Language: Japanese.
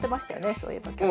そういえば去年。